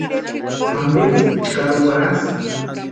¿Ampeeski chkari warhasï?